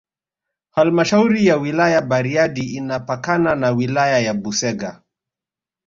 Halmashauri ya Wilaya Bariadi inapakana na Wilaya ya Busega